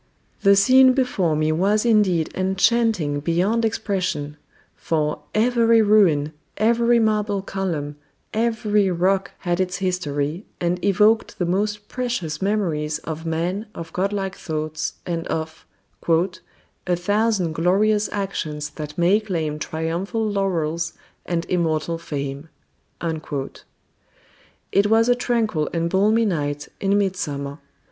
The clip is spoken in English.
The scene before me was indeed enchanting beyond expression; for, every ruin, every marble column, every rock had its history, and evoked the most precious memories of men of godlike thoughts and of "A thousand glorious actions that may claim Triumphal laurels and immortal fame." It was a tranquil and balmy night in midsummer.